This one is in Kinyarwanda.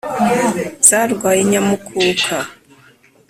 Zarwaye Nyamukuka,